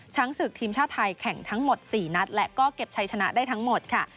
ชั้นศึกทีมชาติไทยแข่งทั้งหมด๔นัดและเก็บใช้ชนะได้ทั้งหมด